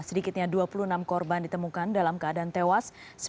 sedikitnya dua puluh enam korban ditemukan dalam keadaan tewas